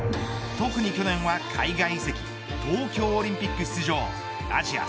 特に、去年は海外移籍、東京オリンピック出場アジア